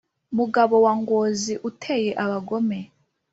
mugabo wa ngozi uteye abagome